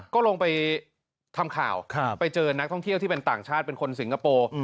ก็ลงไปทำข่าวไปเจอนักท่องเที่ยวที่เป็นต่างชาติเป็นคนสิงคโปร์